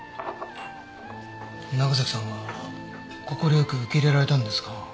長崎さんは快く受け入れられたんですか？